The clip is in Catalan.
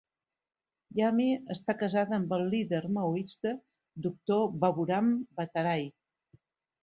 Yami està casada amb el líder maoista doctor Baburam Bhattarai.